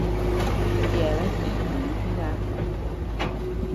Yeabean ínuu jibaku.